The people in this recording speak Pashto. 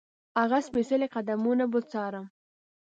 هغه سپېڅلي قدمونه به څارم.